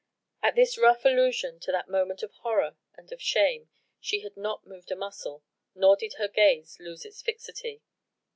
At this rough allusion to that moment of horror and of shame, she had not moved a muscle, nor did her gaze lose its fixity.